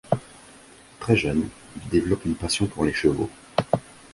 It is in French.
Très jeune, il développe une passion pour les chevaux.